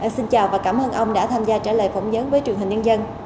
xin chào và cảm ơn ông đã tham gia trả lời phỏng vấn với truyền hình nhân dân